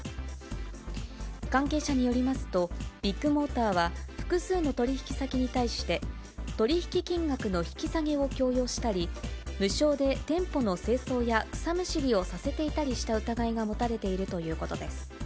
関係者によりますと、ビッグモーターは複数の取引先に対して、取引金額の引き下げを強要したり、無償で店舗の清掃や草むしりをさせていたりした疑いが持たれているということです。